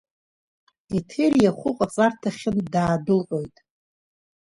Еҭери ахәыҟаҵарҭахьынтә даадәылҟьоит.